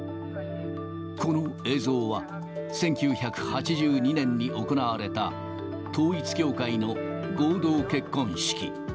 この映像は、１９８２年に行われた、統一教会の合同結婚式。